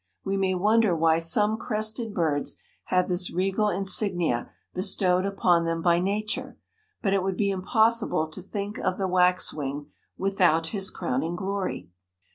We may wonder why some crested birds have this regal insignia bestowed upon them by nature, but it would be impossible to think of the waxwing without his crowning glory.